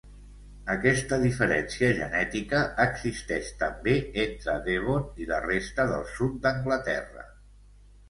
Aquesta diferència genètica existeix també entre Devon i la resta del sud d'Anglaterra.